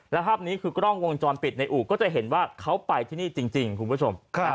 แล้วภาพนี้คือกล้องวงจรปิดในอู่ก็จะเห็นว่าเขาไปที่นี่จริงคุณผู้ชม